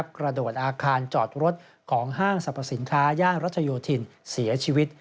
กระโดดอาคารจอดรถของห้างสรรพสินค้าย่านรัชโยธินเสียชีวิต